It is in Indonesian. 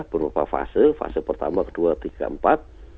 berupa fase fase pertama kedua tiga empat